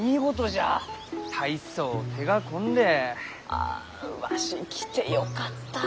あわし来てよかった。